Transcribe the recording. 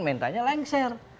minta nya lengser